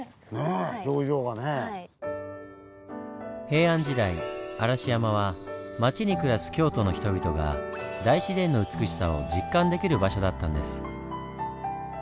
平安時代嵐山は町に暮らす京都の人々が大自然の美しさを実感できる場所だったんです。